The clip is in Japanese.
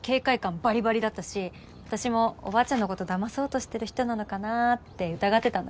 バリバリだったし私もおばあちゃんのことだまそうとしてる人なのかなぁって疑ってたんだけど。